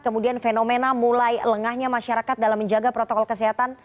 kemudian fenomena mulai lengahnya masyarakat dalam menjaga protokol kesehatan